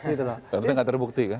banteng nggak terbukti kan